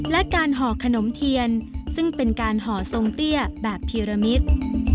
และการห่อขนมเทียนซึ่งเป็นการห่อทรงเตี้ยแบบพีรมิตร